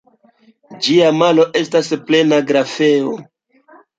Ĝia malo estas plena grafeo.